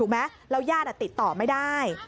ถูกไหมแล้วย่านติดต่อไม่ได้